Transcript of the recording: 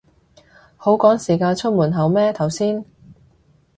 好趕時間出門口咩頭先